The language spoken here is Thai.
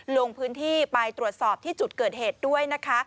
ลงพื้นที่ไปตรวจสอบที่จุดเกิดเหตุด้วยนะคะ